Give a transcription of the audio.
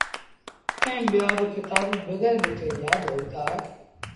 ائيٚݩ ٻيآ با ڪتآب بيٚگر ڏٺي يآد هوئيٚتآ۔